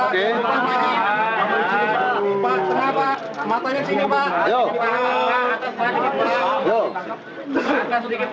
ya ini pak dari laporan dari masyarakat